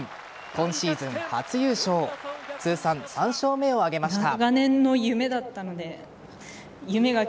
今シーズン初優勝通算３勝目を挙げました。